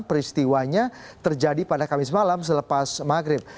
peristiwanya terjadi pada kamis malam selepas maghrib